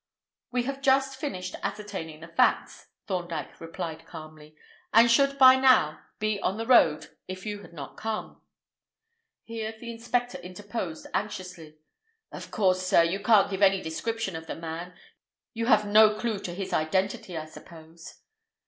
"We have just finished ascertaining the facts," Thorndyke replied calmly, "and should by now be on the road if you had not come." Here the inspector interposed anxiously. "Of course, sir, you can't give any description of the man. You have no clue to his identity, I suppose?"